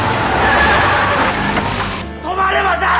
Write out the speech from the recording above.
止まれません！